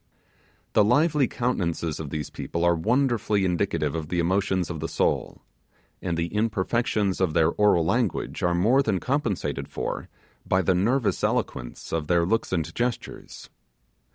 The lively countenances of these people are wonderfully indicative of the emotions of the soul, and the imperfections of their oral language are more than compensated for by the nervous eloquence of their looks and gestures.